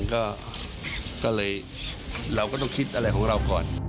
ก็เลยเราก็ต้องคิดอะไรของเราก่อน